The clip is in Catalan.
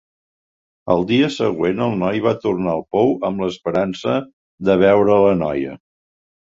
El dia següent el noi va tornar al pou amb l'esperança de veure la noia.